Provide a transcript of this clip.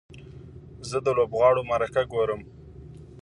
زه د لوبغاړو مرکه ګورم.